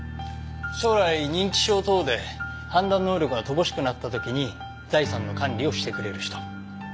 将来認知症等で判断能力が乏しくなった時に財産の管理をしてくれる人。